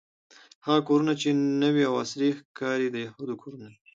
هغه کورونه چې نوې او عصري ښکاري د یهودو کورونه دي.